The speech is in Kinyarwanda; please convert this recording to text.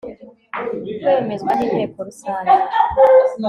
kwemezwa n inteko rusange